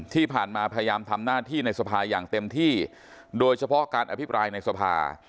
ที่ผ่านมาพยายามทำหน้าที่ในสภาอย่างเต็มที่โดยเฉพาะการอภิปรายในสภา